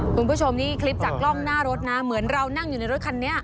คุณผู้ชมนี่คลิปจากกล้องหน้ารถนะเหมือนเรานั่งอยู่ในรถคันนี้